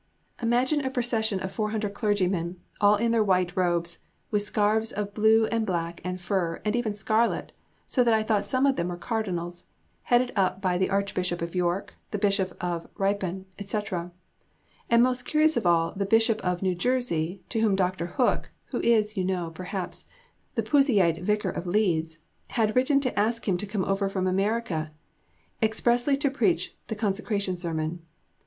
Imagine a procession of 400 clergymen, all in their white robes, with scarfs of blue and black and fur and even scarlet, so that I thought some of them were cardinals, headed by the Archbishop of York, the Bishop of Ripon, &c., and most curious of all the Bishop of New Jersey to whom Dr. Hook (who is, you know, perhaps, the Puseyite vicar of Leeds) had written to ask him to come over from America, expressly to preach the consecration sermon.